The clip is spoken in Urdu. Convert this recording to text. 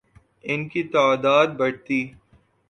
ان کی تعداد بڑھتی